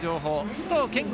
須藤健吾